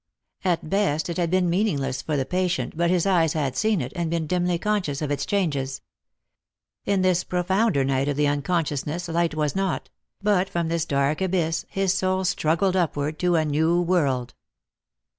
At best it had been meaningless for the patient, but his eyes had seen it, and been dimly conscious of its changes. In this profounder night of unconsciousness light was not; but from this dark abyss his soul struggled upward to a new world.